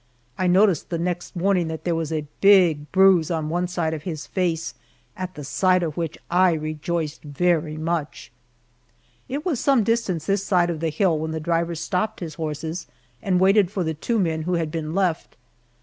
I noticed the next morning that there was a big bruise on one side of his face, at the sight of which I rejoiced very much. It was some distance this side of the hill when the driver stopped his horses and waited for the two men who had been left.